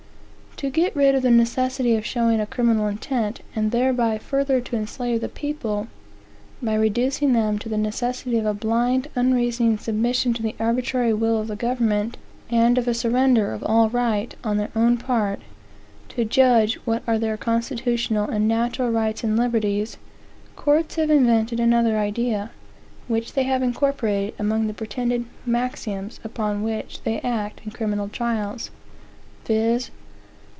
To get rid of the necessity of showing a criminal intent, and thereby further to enslave the people, by reducing them to the necessity of a blind, unreasoning submission to the arbitrary will of the government, and of a surrender of all right, on their own part, to judge what are their constitutional and natural rights and liberties, courts have invented another idea, which they have incorporated among the pretended maxims, upon which they act in criminal trials, viz.